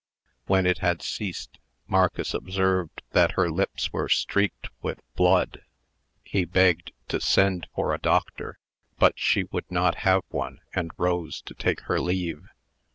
When it had ceased, Marcus observed that her lips were streaked with blood. He begged to send for a doctor, but she would not have one, and rose to take her leave.